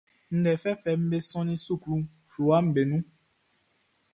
Ndɛ fɛfɛʼm be sɔnnin suklu fluwaʼm be nun.